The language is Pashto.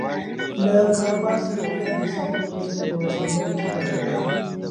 له کاروبار سره مینه د سختو ورځو په زغملو کې پټه ده.